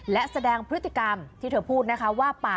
และแสดงพฤติกรรมที่เธอพูดนะคะว่า